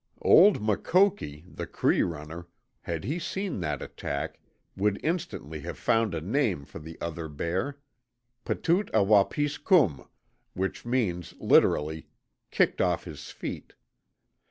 (Old Makoki, the Cree runner, had he seen that attack, would instantly have found a name for the other bear "Petoot a wapis kum," which means, literally: "Kicked off his Feet."